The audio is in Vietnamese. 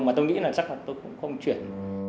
mà tôi nghĩ là chắc hẳn tôi cũng không chuyển